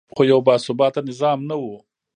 خو یو باثباته نظام نه و